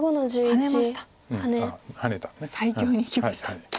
最強にいきました。